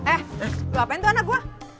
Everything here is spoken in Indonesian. eh lu apaan tuh anak gua